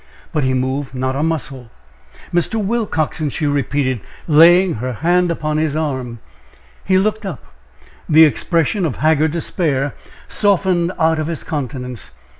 But he moved not a muscle. "Mr. Willcoxen!" she repeated, laying her hand upon his arm. He looked up. The expression of haggard despair softened out of his countenance.